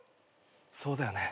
そうだよね。